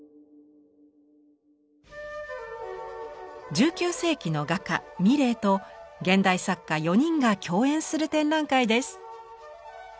１９世紀の画家ミレーと現代作家４人が共演する展覧会です。